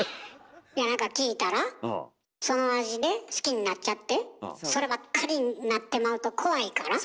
いや何か聞いたらその味で好きになっちゃってそればっかりになってまうと怖いから。